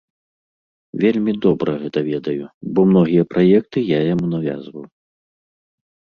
Вельмі добра гэта ведаю, бо многія праекты я яму навязваў.